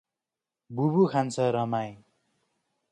बुबु खान्छ रमाई ।